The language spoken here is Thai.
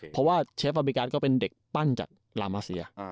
เพราะว่าเชฟอเมริกาก็เป็นเด็กปั้นจากลามาเซีย